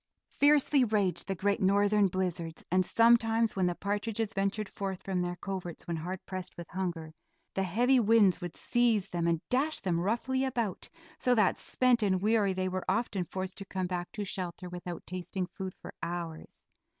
Fiercely raged the great northern blizzards and sometimes when the partridges ventured forth from their coverts when hard pressed with hunger the heavy winds would seize them and dash them roughly about, so that spent and weary they were often forced to come back to shelter without tasting food for hours.